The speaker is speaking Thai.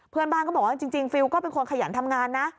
เพื่อนบ้านก็บอกว่าจริงฟิลก็เป็นคนขยันทำงานนะ